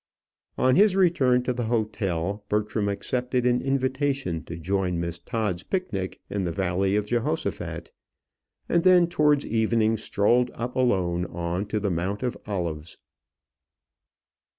On his return to the hotel, Bertram accepted an invitation to join Miss Todd's picnic in the Valley of Jehoshaphat, and then towards evening strolled up alone on to the Mount of Olives.